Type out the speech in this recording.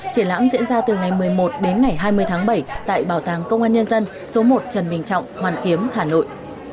triển lãm diễn ra từ ngày một mươi một đến ngày hai mươi tháng bảy tại bảo tàng công an nhân dân số một trần bình trọng hoàn kiếm hà nội